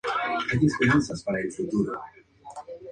Tras la guerra es encarcelado cerca de un año en la cárcel de Yeserías.